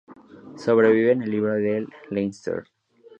Sobrevive en el Libro de Leinster.